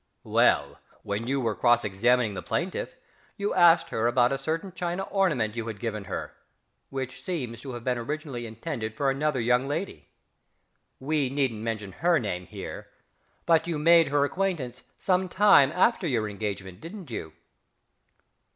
Well, when you were cross examining the plaintiff you asked her about a certain china ornament you had given her, which seems to have been originally intended for another young lady. We needn't mention her name here but you made her acquaintance some time after your engagement, didn't you?...